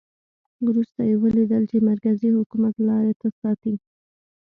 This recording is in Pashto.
وروسته یې ولیدل چې مرکزي حکومت لاري نه ساتي.